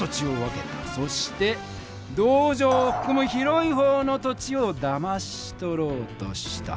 そして道場をふくむ広い方の土地をだまし取ろうとした。